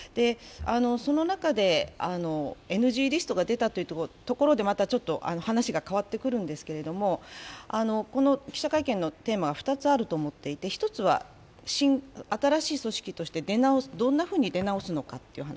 その中でＮＧリストが出たというところでまた話が変わってくるんですけれども、この記者会見のテーマは２つあると思っていて１つは新しい組織としてどんなふうに出直すかという話。